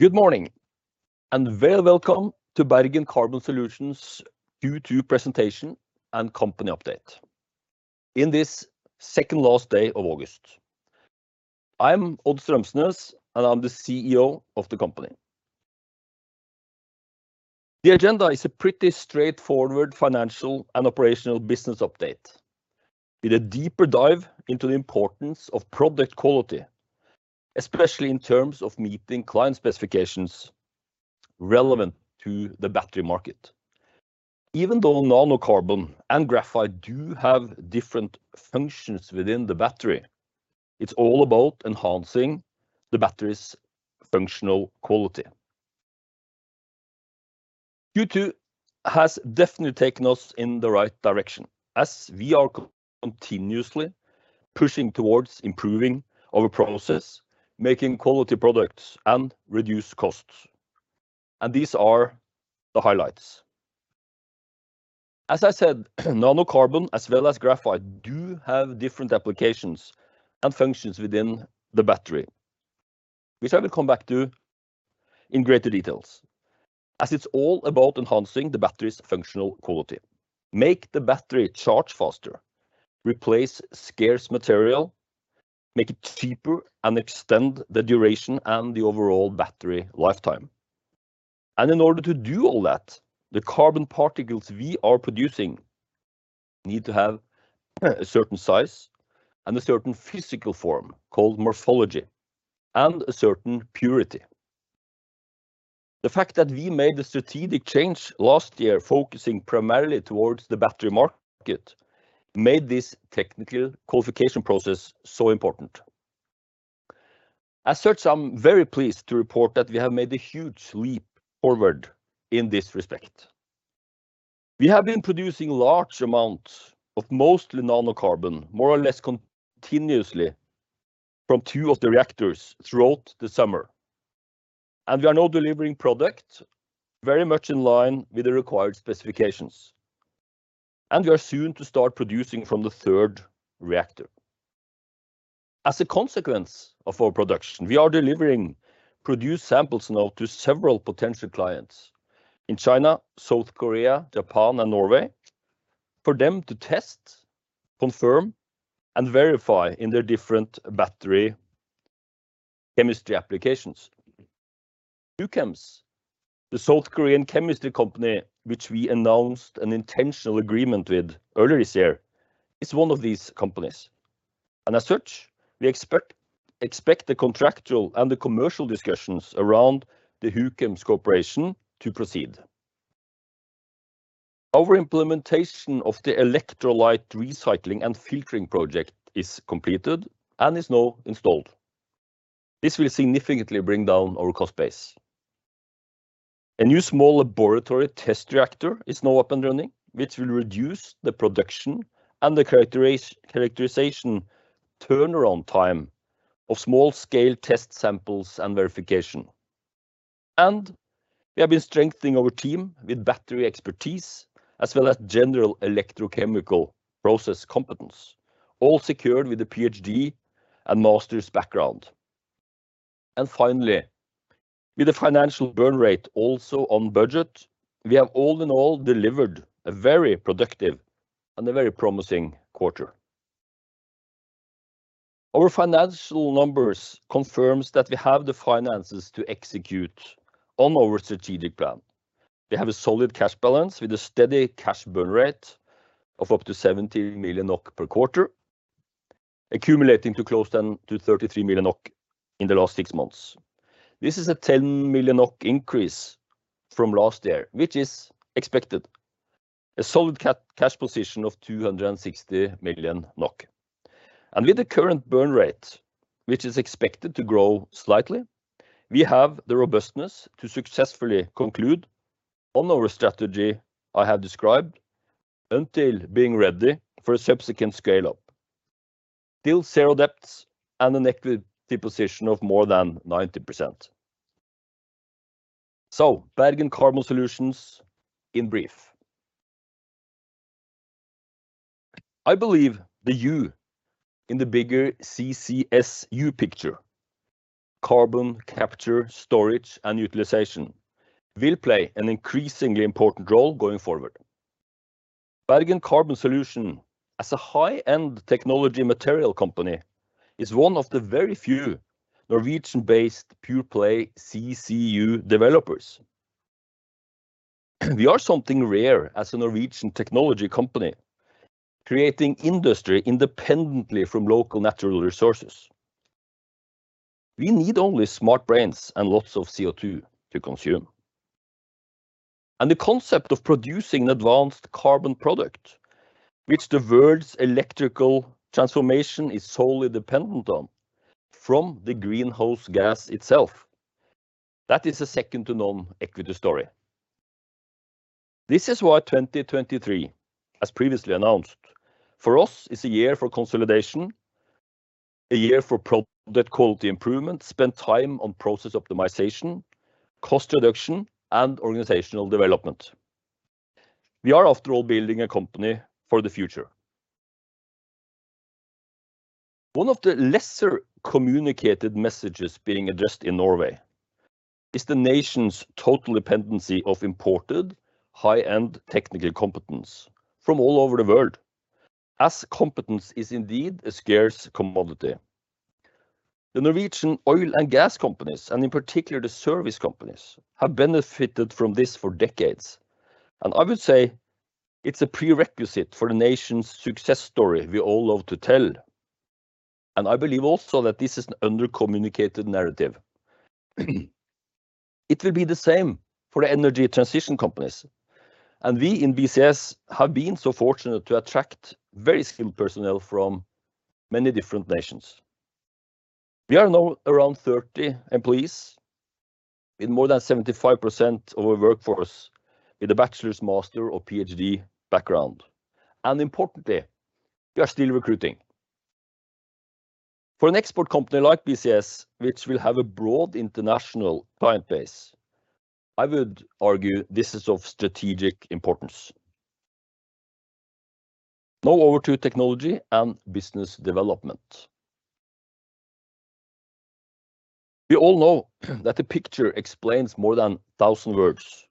Good morning, and very welcome to Bergen Carbon Solutions Q2 presentation and company update in this second last day of August. I'm Odd Strømsnes, and I'm the CEO of the company. The agenda is a pretty straightforward financial and operational business update, with a deeper dive into the importance of product quality, especially in terms of meeting client specifications relevant to the battery market. Even though nanocarbon and graphite do have different functions within the battery, it's all about enhancing the battery's functional quality. Q2 has definitely taken us in the right direction, as we are continuously pushing towards improving our process, making quality products, and reduce costs, and these are the highlights. As I said, nanocarbon, as well as graphite, do have different applications and functions within the battery, which I will come back to in greater details, as it's all about enhancing the battery's functional quality. Make the battery charge faster, replace scarce material, make it cheaper, and extend the duration and the overall battery lifetime. In order to do all that, the carbon particles we are producing need to have a certain size and a certain physical form, called morphology, and a certain purity. The fact that we made a strategic change last year, focusing primarily towards the battery market, made this technical qualification process so important. As such, I'm very pleased to report that we have made a huge leap forward in this respect. We have been producing large amounts of mostly nanocarbon, more or less continuously, from two of the reactors throughout the summer, and we are now delivering product very much in line with the required specifications, and we are soon to start producing from the third reactor. As a consequence of our production, we are delivering produced samples now to several potential clients in China, South Korea, Japan, and Norway for them to test, confirm, and verify in their different battery chemistry applications. Huchems, the South Korean chemistry company, which we announced an intentional agreement with earlier this year, is one of these companies, and as such, we expect, expect the contractual and the commercial discussions around the Huchems cooperation to proceed. Our implementation of the electrolyte recycling and filtering project is completed and is now installed. This will significantly bring down our cost base. A new small laboratory test reactor is now up and running, which will reduce the production and the characterization turnaround time of small-scale test samples and verification. We have been strengthening our team with battery expertise, as well as general electrochemical process competence, all secured with a PhD and master's background. Finally, with the financial burn rate also on budget, we have all in all delivered a very productive and a very promising quarter. Our financial numbers confirms that we have the finances to execute on our strategic plan. We have a solid cash balance with a steady cash burn rate of up to 70 million NOK per quarter, accumulating to close to 33 million NOK in the last six months. This is a 10 million NOK increase from last year, which is expected. A solid cash position of 260 million NOK. With the current burn rate, which is expected to grow slightly, we have the robustness to successfully conclude on our strategy I have described until being ready for a subsequent scale-up. Still zero debts and an equity position of more than 90%. So Bergen Carbon Solutions in brief. I believe the EU in the bigger CCSU picture, carbon capture, storage, and utilization, will play an increasingly important role going forward. Bergen Carbon Solutions, as a high-end technology material company, is one of the very few Norwegian-based pure-play CCU developers. We are something rare as a Norwegian technology company, creating industry independently from local natural resources. We need only smart brains and lots of CO2 to consume. And the concept of producing an advanced carbon product, which the world's electrical transformation is solely dependent on, from the greenhouse gas itself, that is a second-to-none equity story. This is why 2023, as previously announced, for us, is a year for consolidation, a year for product quality improvement, spend time on process optimization, cost reduction, and organizational development. We are, after all, building a company for the future.... One of the lesser communicated messages being addressed in Norway is the nation's total dependency of imported high-end technical competence from all over the world, as competence is indeed a scarce commodity. The Norwegian oil and gas companies, and in particular the service companies, have benefited from this for decades, and I would say it's a prerequisite for the nation's success story we all love to tell, and I believe also that this is an under-communicated narrative. It will be the same for the energy transition companies, and we in BCS have been so fortunate to attract very skilled personnel from many different nations. We are now around 30 employees, with more than 75% of our workforce with a bachelor's, master, or PhD background. Importantly, we are still recruiting. For an export company like BCS, which will have a broad international client base, I would argue this is of strategic importance. Now over to technology and business development. We all know that a picture explains more than 1,000 words,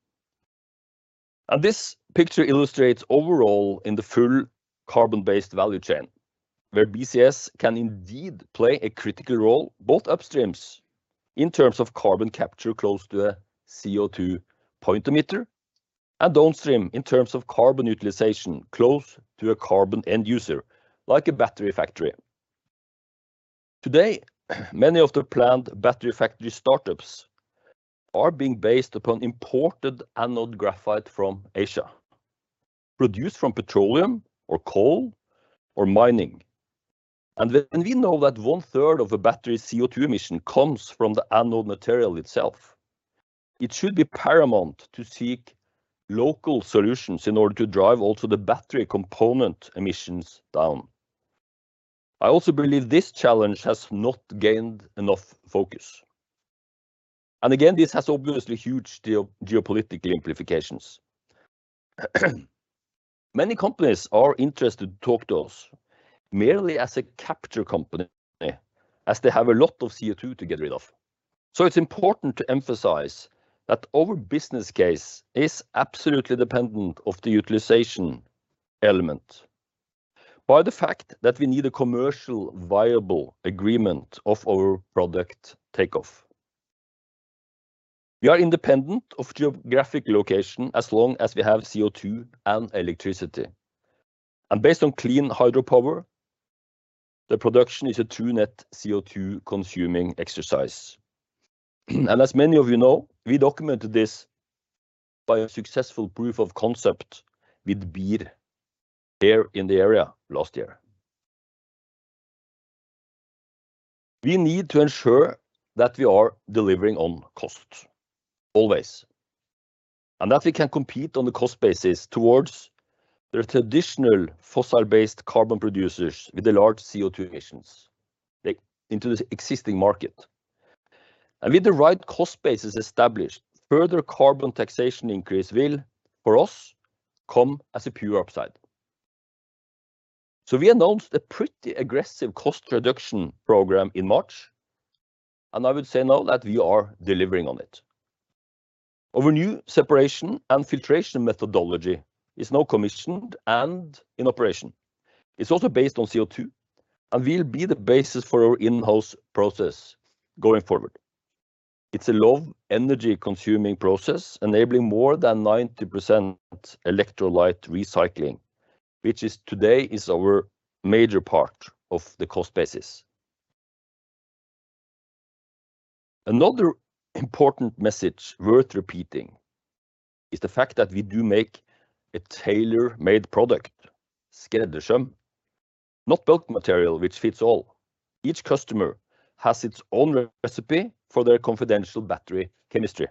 and this picture illustrates overall in the full carbon-based value chain, where BCS can indeed play a critical role, both upstream, in terms of carbon capture, close to a CO₂ point emitter, and downstream, in terms of carbon utilization, close to a carbon end user, like a battery factory. Today, many of the planned battery factory startups are being based upon imported anode graphite from Asia, produced from petroleum or coal or mining. When we know that 1/3 of a battery's CO₂ emission comes from the anode material itself, it should be paramount to seek local solutions in order to drive also the battery component emissions down. I also believe this challenge has not gained enough focus, and again, this has obviously huge geopolitical implications. Many companies are interested to talk to us merely as a capture company, as they have a lot of CO₂ to get rid of. So it's important to emphasize that our business case is absolutely dependent of the utilization element, by the fact that we need a commercial, viable agreement of our product take off. We are independent of geographic location, as long as we have CO₂ and electricity, and based on clean hydropower, the production is a true net CO₂-consuming exercise. As many of you know, we documented this by a successful proof of concept with BIR here in the area last year. We need to ensure that we are delivering on cost, always, and that we can compete on the cost basis towards the traditional fossil-based carbon producers with the large CO₂ emissions into the existing market. With the right cost basis established, further carbon taxation increase will, for us, come as a pure upside. We announced a pretty aggressive cost reduction program in March, and I would say now that we are delivering on it. Our new separation and filtration methodology is now commissioned and in operation. It's also based on CO₂, and will be the basis for our in-house process going forward. It's a low energy-consuming process, enabling more than 90% electrolyte recycling, which, today, is our major part of the cost basis. Another important message worth repeating is the fact that we do make a tailor-made product, skreddersøm, not bulk material, which fits all. Each customer has its own recipe for their confidential battery chemistry.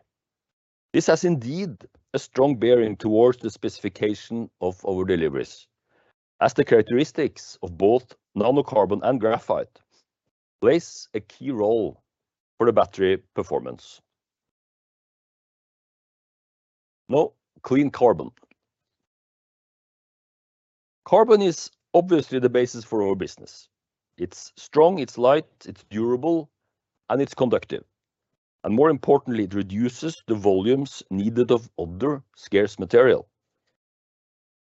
This has indeed a strong bearing towards the specification of our deliveries, as the characteristics of both nanocarbon and graphite plays a key role for the battery performance. Now, clean carbon. Carbon is obviously the basis for our business. It's strong, it's light, it's durable, and it's conductive. And more importantly, it reduces the volumes needed of other scarce material.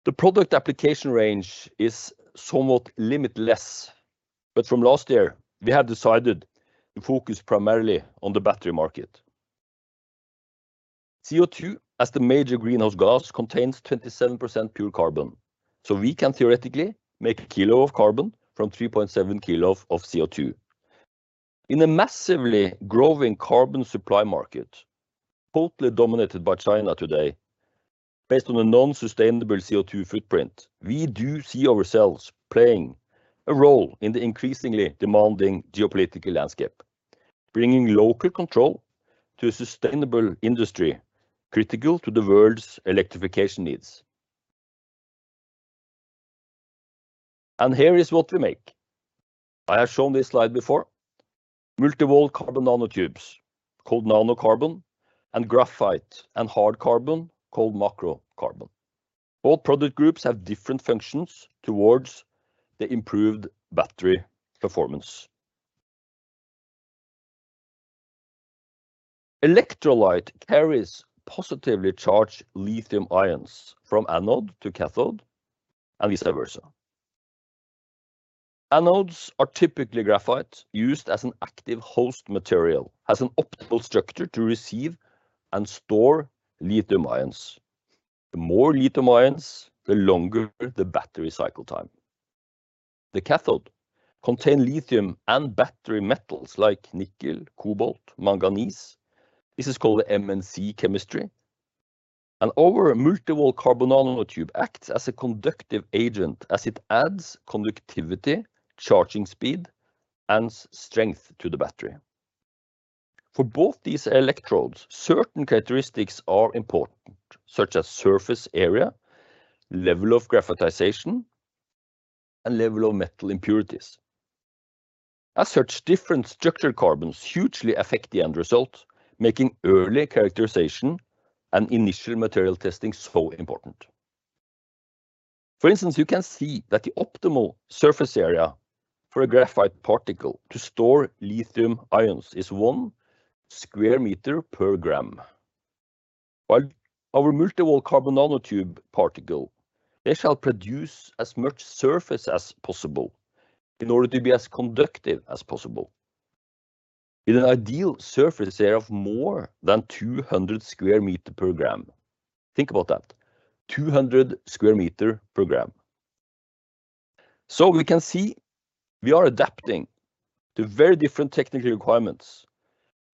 The product application range is somewhat limitless, but from last year, we have decided to focus primarily on the battery market. CO₂, as the major greenhouse gas, contains 27% pure carbon, so we can theoretically make a kilo of carbon from 3.7 kg of CO₂. In a massively growing carbon supply market, totally dominated by China today, based on a non-sustainable CO₂ footprint, we do see ourselves playing a role in the increasingly demanding geopolitical landscape, bringing local control to a sustainable industry, critical to the world's electrification needs. Here is what we make. I have shown this slide before. Multi-Walled Carbon Nanotubes, called nanocarbon, and graphite and hard carbon called macro carbon. All product groups have different functions toward the improved battery performance. Electrolyte carries positively charged lithium ions from anode to cathode, and vice versa. Anodes are typically graphite, used as an active host material, has an optimal structure to receive and store lithium ions. The more lithium ions, the longer the battery cycle time. The cathode contain lithium and battery metals like nickel, cobalt, manganese. This is called the NMC chemistry. Our Multi-Walled Carbon Nanotubes acts as a conductive agent as it adds conductivity, charging speed, and strength to the battery. For both these electrodes, certain characteristics are important, such as surface area, level of graphitization, and level of metal impurities. As such, different structured carbons hugely affect the end result, making early characterization and initial material testing so important. For instance, you can see that the optimal surface area for a graphite particle to store lithium ions is one square meter per gram. While our Multi-Walled Carbon Nanotubes particle, they shall produce as much surface as possible in order to be as conductive as possible, in an ideal surface area of more than 200 square meter per gram. Think about that, 200 square meter per gram. So we can see we are adapting to very different technical requirements,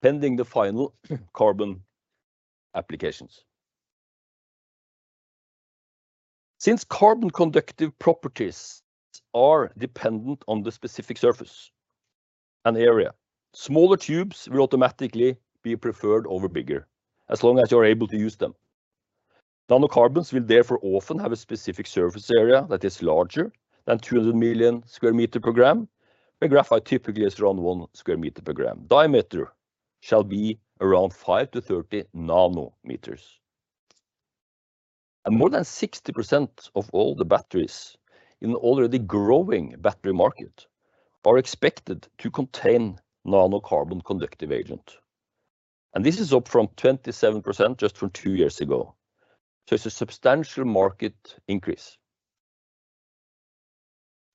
pending the final carbon applications. Since carbon conductive properties are dependent on the specific surface and area, smaller tubes will automatically be preferred over bigger, as long as you are able to use them. Nanocarbons will therefore often have a specific surface area that is larger than 200 m²/g, where graphite typically is around 1 m²/g. Diameter shall be around 5-30 nm. And more than 60% of all the batteries in the already growing battery market are expected to contain nanocarbon conductive agent, and this is up from 27% just from two years ago. So it's a substantial market increase.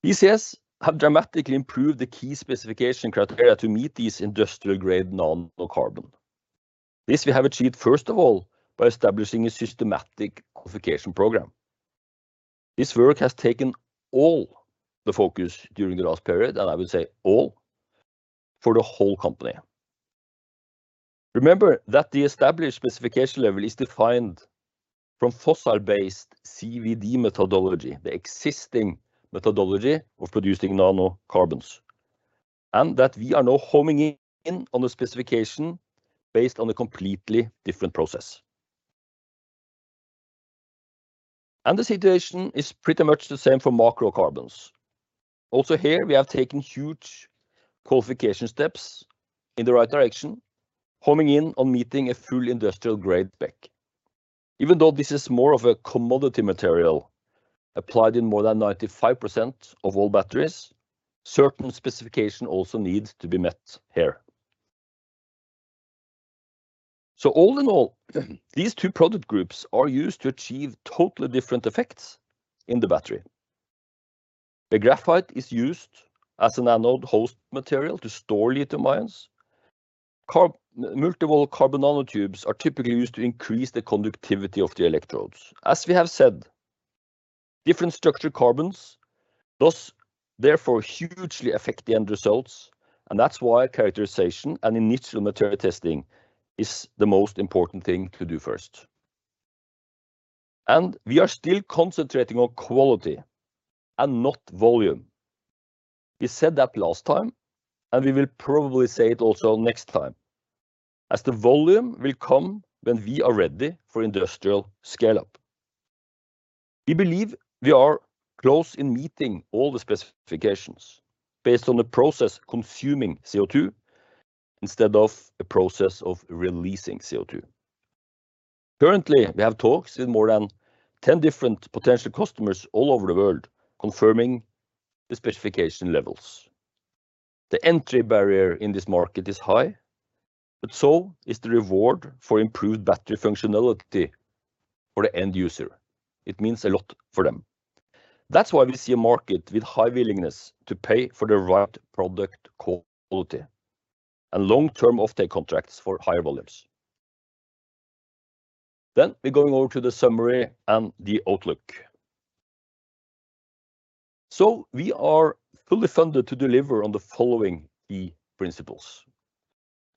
BCS have dramatically improved the key specification criteria to meet these industrial-grade nanocarbon. This we have achieved, first of all, by establishing a systematic qualification program. This work has taken all the focus during the last period, and I would say all for the whole company. Remember that the established specification level is defined from fossil-based CVD methodology, the existing methodology of producing nanocarbons, and that we are now homing in on the specification based on a completely different process. The situation is pretty much the same for macro carbons. Also here, we have taken huge qualification steps in the right direction, homing in on meeting a full industrial grade spec. Even though this is more of a commodity material applied in more than 95% of all batteries, certain specifications also need to be met here. So all in all, these two product groups are used to achieve totally different effects in the battery. The graphite is used as an anode host material to store lithium ions. Multi-Walled Carbon Nanotubes are typically used to increase the conductivity of the electrodes. As we have said, different structure carbons, thus therefore hugely affect the end results, and that's why characterization and initial material testing is the most important thing to do first. We are still concentrating on quality and not volume. We said that last time, and we will probably say it also next time, as the volume will come when we are ready for industrial scale up. We believe we are close in meeting all the specifications based on the process consuming CO2 instead of a process of releasing CO2. Currently, we have talks with more than 10 different potential customers all over the world, confirming the specification levels. The entry barrier in this market is high, but so is the reward for improved battery functionality for the end user. It means a lot for them. That's why we see a market with high willingness to pay for the right product quality and long-term offtake contracts for higher volumes. Then we're going over to the summary and the outlook. So we are fully funded to deliver on the following key principles: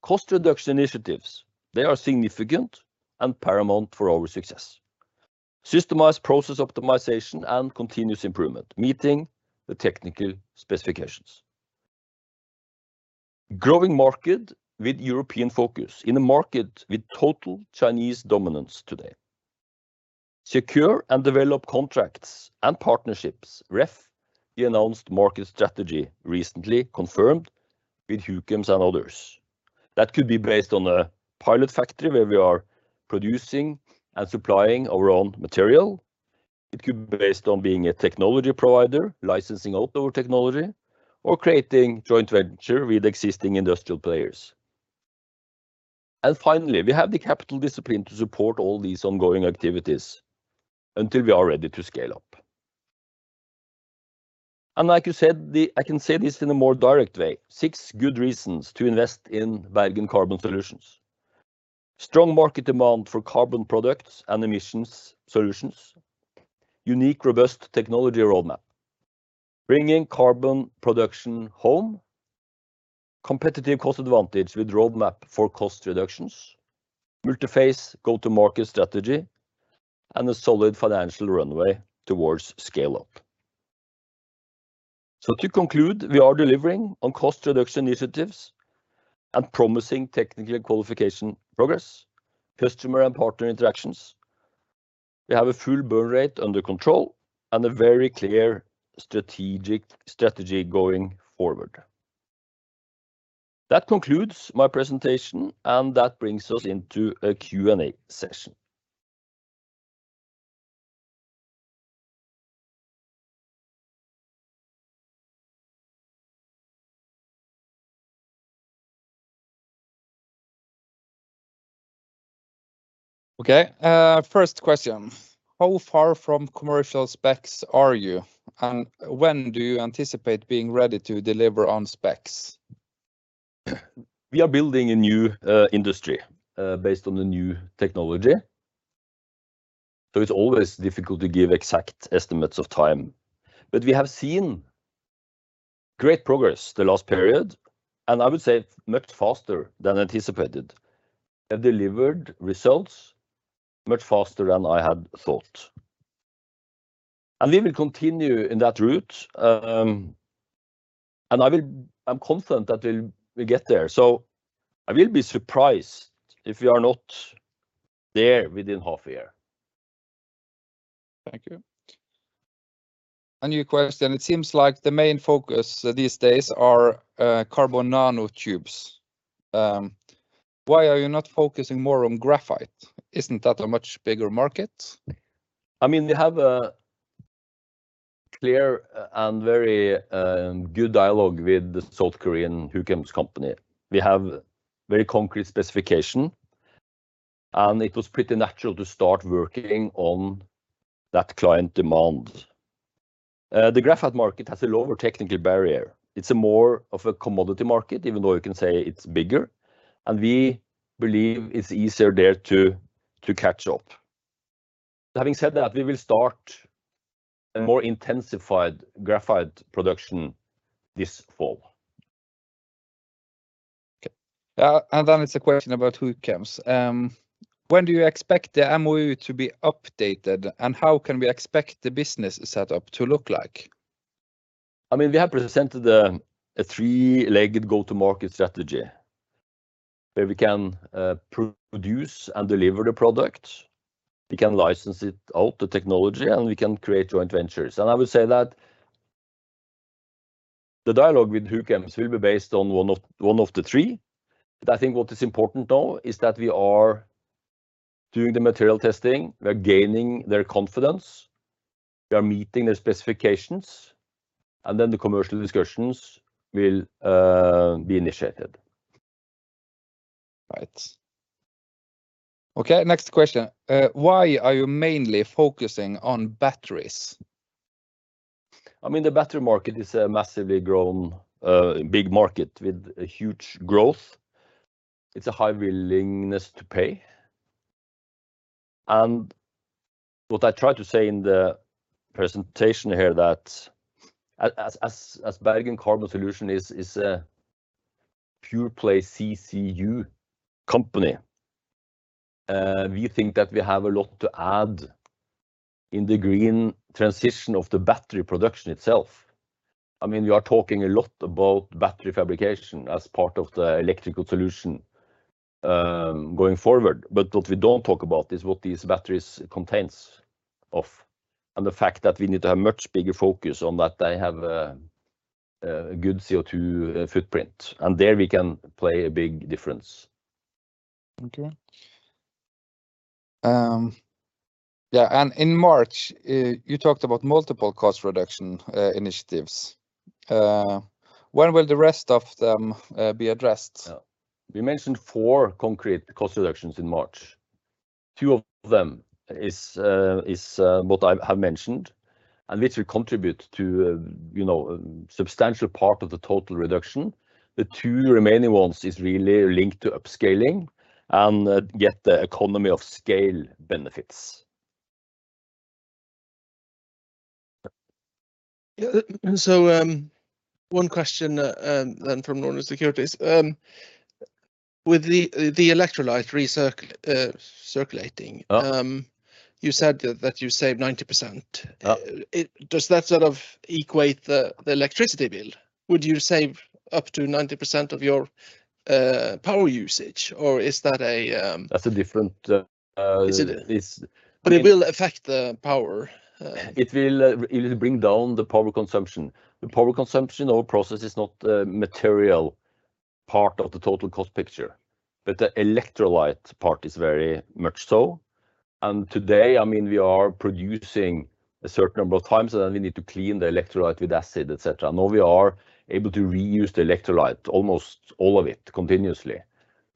Cost reduction initiatives, they are significant and paramount for our success. Systematized process optimization and continuous improvement, meeting the technical specifications. Growing market with European focus in a market with total Chinese dominance today. Secure and develop contracts and partnerships. Ref, the announced market strategy recently confirmed with Huchems and others. That could be based on a pilot factory where we are producing and supplying our own material. It could be based on being a technology provider, licensing out our technology, or creating joint venture with existing industrial players. And finally, we have the capital discipline to support all these ongoing activities until we are ready to scale up. And like you said, I can say this in a more direct way, six good reasons to invest in Bergen Carbon Solutions: strong market demand for carbon products and emissions solutions; unique, robust technology roadmap; bringing carbon production home; competitive cost advantage with roadmap for cost reductions; multi-phase go-to-market strategy; and a solid financial runway towards scale-up. So to conclude, we are delivering on cost reduction initiatives and promising technical qualification progress, customer and partner interactions. We have a full burn rate under control and a very clear strategic strategy going forward. That concludes my presentation, and that brings us into a Q&A session. Okay, first question: How far from commercial specs are you, and when do you anticipate being ready to deliver on specs? We are building a new industry based on the new technology, so it's always difficult to give exact estimates of time. But we have seen great progress the last period, and I would say much faster than anticipated. Have delivered results much faster than I had thought, and we will continue in that route. And I will... I'm confident that we'll, we get there, so I will be surprised if we are not there within half a year. Thank you. A new question: It seems like the main focus these days are carbon nanotubes. Why are you not focusing more on graphite? Isn't that a much bigger market? I mean, we have a clear and very good dialogue with the South Korean Huchems company. We have very concrete specification, and it was pretty natural to start working on that client demand. The graphite market has a lower technical barrier. It's a more of a commodity market, even though you can say it's bigger, and we believe it's easier there to catch up. Having said that, we will start a more intensified graphite production this fall. Okay. And then it's a question about TKG Huchems. When do you expect the MoU to be updated, and how can we expect the business setup to look like? I mean, we have presented a three-legged go-to-market strategy, where we can produce and deliver the product, we can license it out, the technology, and we can create joint ventures. And I would say that the dialogue with TKG Huchems will be based on one of, one of the three. But I think what is important, though, is that we are doing the material testing, we are gaining their confidence, we are meeting their specifications, and then the commercial discussions will be initiated. Right. Okay, next question. Why are you mainly focusing on batteries? I mean, the battery market is a massively grown big market with a huge growth. It's a high willingness to pay. And what I tried to say in the presentation here is that as Bergen Carbon Solutions is a pure play CCU company, we think that we have a lot to add in the green transition of the battery production itself. I mean, we are talking a lot about battery fabrication as part of the electrical solution, going forward, but what we don't talk about is what these batteries contains of, and the fact that we need to have much bigger focus on that they have a good CO2 footprint, and there we can play a big difference. Okay. Yeah, and in March, you talked about multiple cost reduction initiatives. When will the rest of them be addressed? Yeah. We mentioned four concrete cost reductions in March. Two of them is what I have mentioned, and which will contribute to a, you know, substantial part of the total reduction. The two remaining ones is really linked to upscaling and get the economy of scale benefits. Yeah, so, one question, and from Norne Securities. With the electrolyte recirculating- Uh. You said that, that you save 90%. Uh. Does that sort of equate to the electricity bill? Would you save up to 90% of your power usage, or is that a That's a different, Is it? This, it- It will affect the power. It will bring down the power consumption. The power consumption or process is not a material part of the total cost picture, but the electrolyte part is very much so. And today, I mean, we are producing a certain number of times, and then we need to clean the electrolyte with acid, et cetera. Now we are able to reuse the electrolyte, almost all of it, continuously,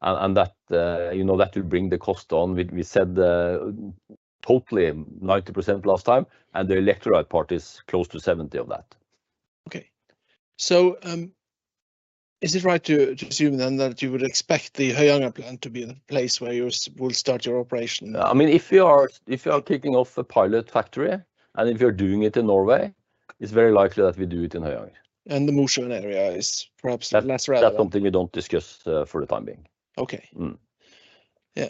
and that, you know, that will bring the cost down. We said totally 90% last time, and the electrolyte part is close to 70% of that. Okay. Is it right to assume then that you would expect the Høyanger plant to be the place where you will start your operation? I mean, if we are, if we are kicking off a pilot factory, and if we are doing it in Norway, it's very likely that we do it in Høyanger. The Mosjøen area is perhaps less relevant? That's something we don't discuss for the time being. Okay. Mm. Yeah.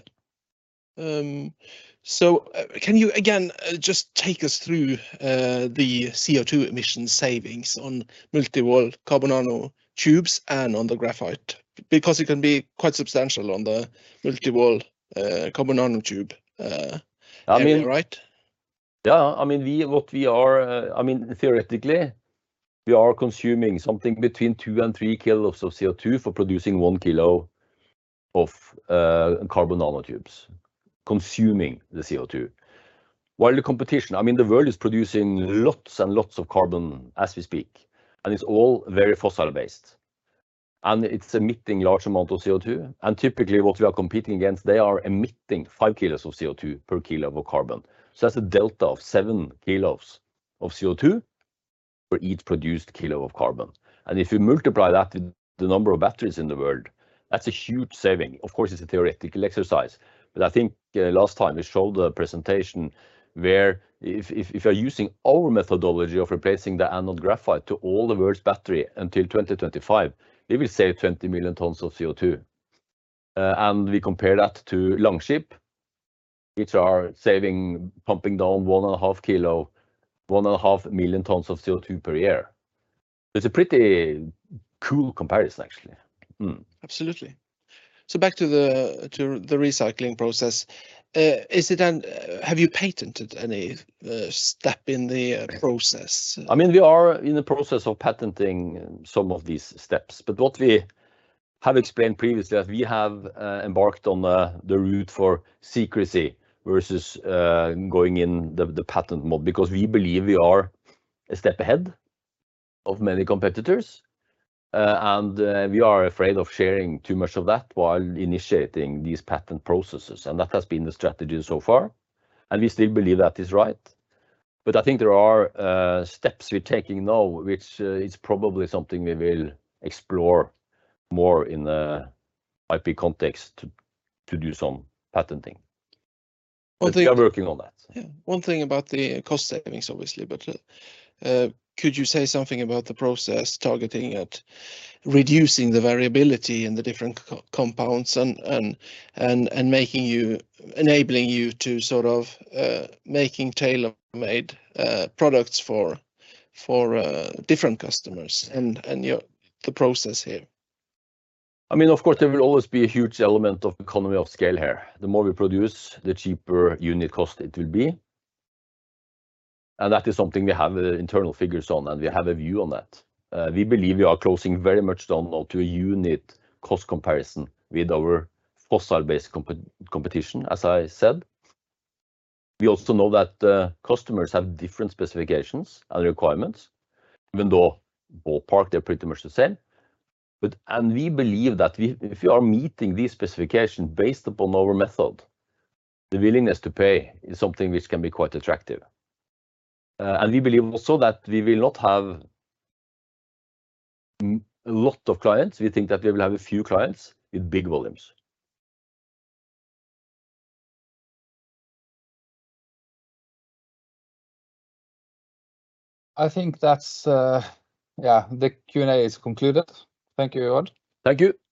So, can you again just take us through the CO2 emission savings on Multi-Walled Carbon Nanotubes and on the graphite? Because it can be quite substantial on the Multi-Walled Carbon Nanotubes. I mean- Am I right? Yeah, I mean, we, what we are, I mean, theoretically, we are consuming something between 2 and 3 kg of CO2 for producing 1 kg of carbon nanotubes, consuming the CO2. While the competition, I mean, the world is producing lots and lots of carbon as we speak, and it's all very fossil-based, and it's emitting large amount of CO2. And typically, what we are competing against, they are emitting 5 kg of CO2 per kilo of carbon. So that's a delta of 7 kg of CO2 for each produced kilo of carbon. And if you multiply that with the number of batteries in the world, that's a huge saving. Of course, it's a theoretical exercise, but I think last time we showed the presentation where if you're using our methodology of replacing the anode graphite to all the world's battery until 2025, it will save 20 million tons of CO2. And we compare that to Longship, which are saving, pumping down 1.5 million tons of CO2 per year. It's a pretty cool comparison, actually. Absolutely. So back to the recycling process. Have you patented any step in the process? I mean, we are in the process of patenting some of these steps, but what we have explained previously, that we have embarked on the route for secrecy versus going in the patent mode because we believe we are a step ahead of many competitors. And we are afraid of sharing too much of that while initiating these patent processes, and that has been the strategy so far, and we still believe that is right. But I think there are steps we're taking now, which is probably something we will explore more in the IP context to do some patenting. Well, the- We are working on that. Yeah. One thing about the cost savings, obviously, but could you say something about the process targeting at reducing the variability in the different co-compounds and making, enabling you to sort of making tailor-made products for different customers and your the process here? I mean, of course, there will always be a huge element of economy of scale here. The more we produce, the cheaper unit cost it will be, and that is something we have the internal figures on, and we have a view on that. We believe we are closing very much down now to a unit cost comparison with our fossil-based competition, as I said. We also know that, customers have different specifications and requirements, even though ballpark they're pretty much the same. And we believe that if we are meeting these specifications based upon our method, the willingness to pay is something which can be quite attractive. And we believe also that we will not have a lot of clients. We think that we will have a few clients with big volumes. I think that's, yeah, the Q&A is concluded. Thank you, Odd. Thank you.